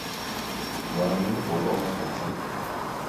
Yâ-nùn pue lo’ ma ntù nsùm.